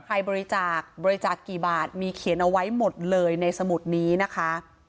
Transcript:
ใครบริจาคบริจาคกี่บาทมีเขียนเอาไว้หมดเลยในสมุดนี้นะคะ